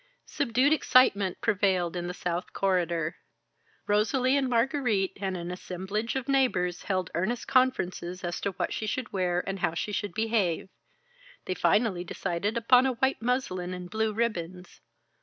Subdued excitement prevailed in the South Corridor. Rosalie and Margarite and an assemblage of neighbors held earnest conferences as to what she should wear and how she should behave. They finally decided upon white muslin and blue ribbons.